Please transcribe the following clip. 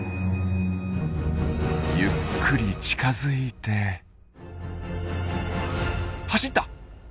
ゆっくり近づいて走った！